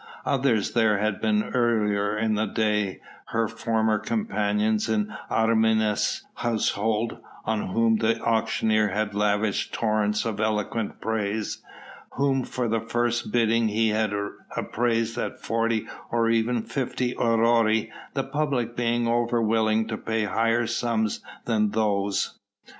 Others there had been earlier in the day her former companions in Arminius' household on whom the auctioneer had lavished torrents of eloquent praise, whom for the first bidding he had appraised at forty or even fifty aurei, the public being over willing to pay higher sums than those.